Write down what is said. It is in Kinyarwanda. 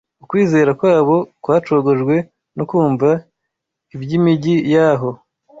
Ukwizera kwabo kwacogojwe no kumva iby’imijyi yahoo